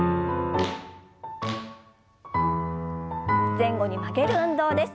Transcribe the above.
前後に曲げる運動です。